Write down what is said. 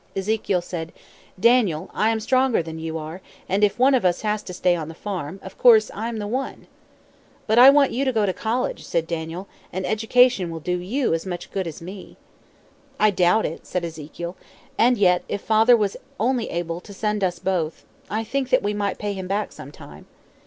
Ezekiel said, "Daniel, I am stronger than you are, and if one of us has to stay on the farm, of course I am the one." "But I want you to go to college," said Daniel. "An education will do you as much good as me." "I doubt it," said Ezekiel; "and yet, if father was only able to send us both. I think that we might pay him back some time."